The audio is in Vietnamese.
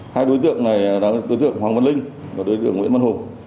hai đối tượng này là đối tượng hoàng văn linh và đối tượng nguyễn văn hùng